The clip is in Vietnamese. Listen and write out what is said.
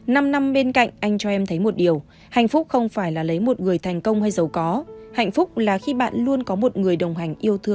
năm năm bên cạnh anh cho em thấy một điều hạnh phúc không phải là lấy một người thành công hay giàu có